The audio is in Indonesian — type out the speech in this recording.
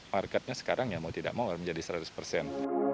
marketnya sekarang ya mau tidak mau harus menjadi seratus persen